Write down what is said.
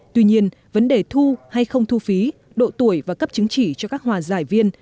tuy nhiên vấn đề thu hay không thu phí độ tuổi và cấp chứng chỉ cho các hòa giải viên